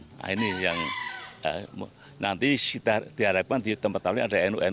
nah ini yang nanti diharapkan di tempat lain ada nu afganistan